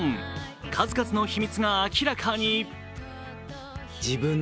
数々の秘密が明らかに。